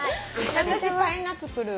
私パイナツプル。